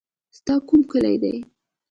ستا کوم کلی دی.